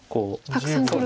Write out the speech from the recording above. たくさんくると。